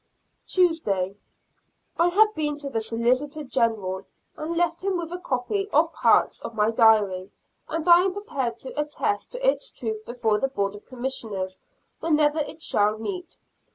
Tuesday. I have been to the Solicitor General, and left with him a copy of parts of my diary, and I am prepared to attest to its truth before the Board of Commissioners, whenever it shall meet.